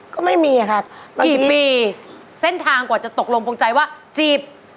ก็ไม่มีครับกี่ปีเส้นทางกว่าจะตกลงพวงใจว่าจีบ